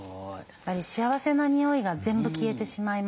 やっぱり幸せな匂いが全部消えてしまいます。